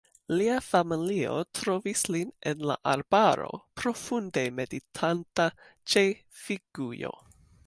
Lia familio trovis lin en la arbaro, profunde meditanta ĉe figujo.